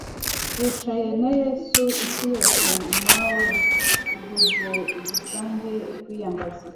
wicaye na yezu isi yose mawe, igukuze igusange ikwiyambaze